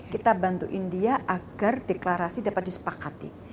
kita bantu india agar deklarasi dapat disepakati